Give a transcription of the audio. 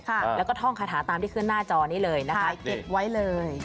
ค่ะแล้วก็ท่องคาถาตามที่ขึ้นหน้าจอนี้เลยนะครับนี่ค่ะถ่ายเก็บไว้เลย